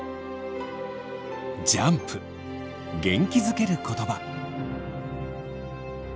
ジャンプ元気づける言葉。